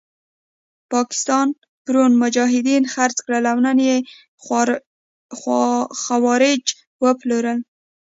پاکستان پرون مجاهدین خرڅ کړل او نن یې خوارج وپلورل.